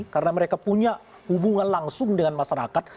karena mereka punya hubungan langsung dengan masyarakat